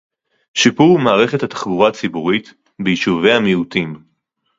שיפור מערכת התחבורה הציבורית ביישובי המיעוטים